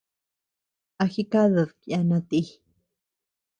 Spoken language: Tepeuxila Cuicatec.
¿A jikadid kiana ti?